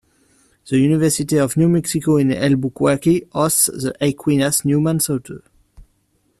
The University of New Mexico in Albuquerque hosts the Aquinas Newman Center.